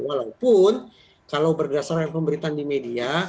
walaupun kalau berdasarkan pemberitaan di media